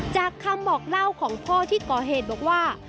จากคำบอกเล่าของพ่อที่ก่อเหตุบอกว่า